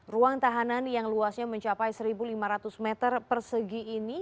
ruang tahanan yang luasnya mencapai satu lima ratus meter persegi ini